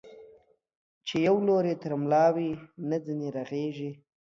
چي يو لور يې تر ملا وي، نه ځيني رغېږي.